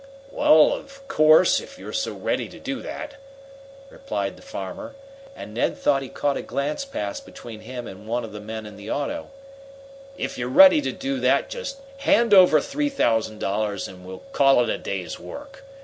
"Well, of course if you're so ready to do that," replied the farmer, and Ned thought he caught a glance pass between him and one of the men in the auto, "if you're ready to do that, just hand over three thousand dollars, and we'll call it a day's work.